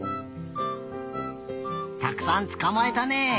たくさんつかまえたね！